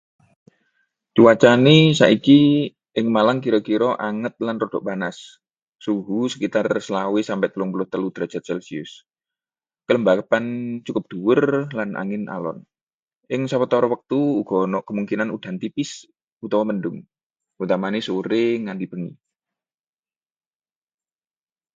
Cuacane saiki ing Malang kira-kira anget lan rada panas. Suhu sekitar selawe sampe telumpuluh telu derajat selsius, kelembapan cukup dhuwur lan angin alon. Ing sawetara wektu uga ana kemungkinan udan tipis utawa mendhung, utamane sore nganti bengi.